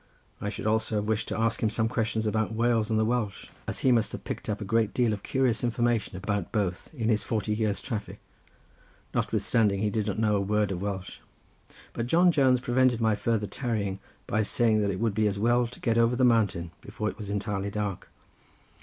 I should also have wished to ask him some questions about Wales and the Welsh, as he must have picked up a great deal of curious information about both in his forty years' traffic, notwithstanding he did not know a word of Welsh, but John Jones prevented my farther tarrying by saying that it would be as well to get over the mountain before it was entirely dark.